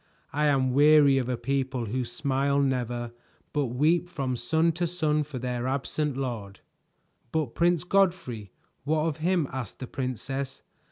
I am weary of a people who smile never but weep from sun to sun for their absent lord." "But Prince Godfrey; what of him?" asked the princess.